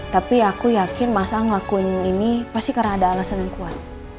tapi aku yakin masa ngelakuin ini pasti karena ada alasan yang kuat